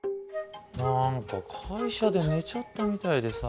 何か会社で寝ちゃったみたいでさ。